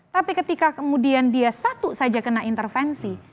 tapi ketika kemudian dia satu saja kena intervensi